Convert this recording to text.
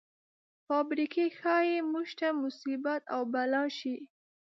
فابریکې ښايي موږ ته مصیبت او بلا شي.